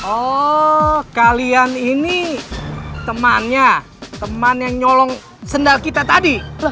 oh kalian ini temannya teman yang nyolong sendal kita tadi